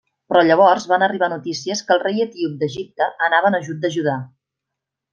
Però llavors van arribar notícies que el rei etíop d'Egipte anava en ajut de Judà.